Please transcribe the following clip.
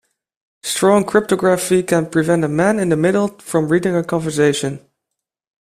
Strong cryptography can prevent a man in the middle from reading a conversation.